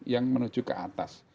yang menuju ke atas